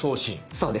そうです。